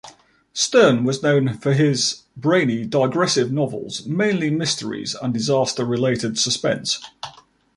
Stern was known for his "brainy, digressive," novels, mainly mysteries and disaster-related suspense.